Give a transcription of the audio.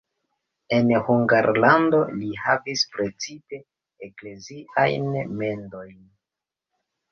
En Hungarlando li havis precipe ekleziajn mendojn.